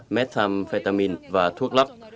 methamphetamine và thuốc lắc